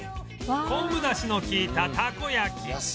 昆布出汁の利いたたこ焼き